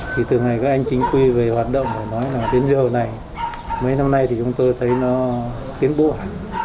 thì từ ngày các anh chính quy về hoạt động nói là đến giờ này mấy năm nay thì chúng tôi thấy nó tiến bố hẳn